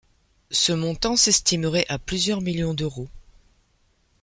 Ce montant s'estimerait à plusieurs millions d'euros.